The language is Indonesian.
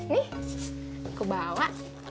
nih aku bawa